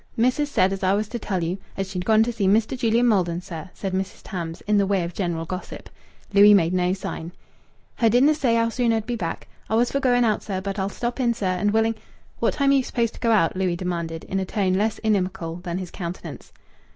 "Missis said as I was to tell you as she'd gone to see Mr. Julian Maldon, sir," said Mrs. Tams, in the way of general gossip. Louis made no sign. "Her didna say how soon her'd be back. I was for going out, sir, but I'll stop in, sir, and willing " "What time are you supposed to go out?" Louis demanded, in a tone less inimical than his countenance.